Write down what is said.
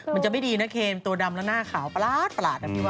มันจะไม่ดีนะเคตัวดำและหน้าขาวประหลาดประหลาด